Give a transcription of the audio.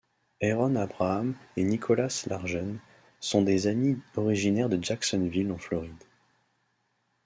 Aaron Abraham et Nicholas Largen sont des amis originaires de Jacksonville, en Floride.